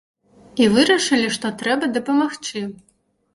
І вырашылі, што трэба дапамагчы.